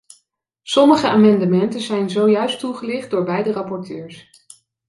Sommige amendementen zijn zojuist toegelicht door beide rapporteurs.